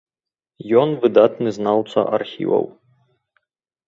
Ён выдатны знаўца архіваў.